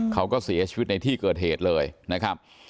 เขาก็เสียชีวิตในที่เกิดเหตุเลยนะครับ